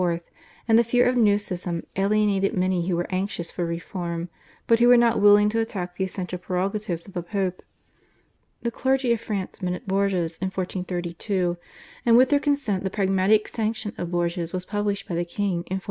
and the fear of a new schism alienated many who were anxious for reform, but who were not willing to attack the essential prerogatives of the Pope. The clergy of France met at Bourges in 1432, and with their consent the Pragmatic Sanction of Bourges was published by the king in 1438.